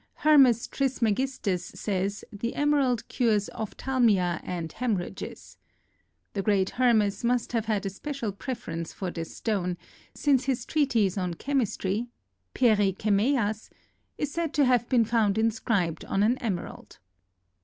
Hermes Trismegistus says the emerald cures ophthalmia and hemorrhages. The great Hermes must have had a special preference for this stone, since his treatise on chemistry (peri chemeias) is said to have been found inscribed on an emerald.